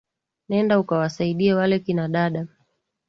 Nenda ukawasaidie wale kina dada.